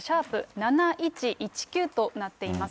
＃７１１９となっています。